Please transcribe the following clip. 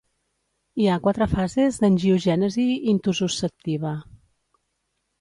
Hi ha quatre fases d'angiogènesi intususceptiva.